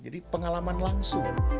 jadi pengalaman langsung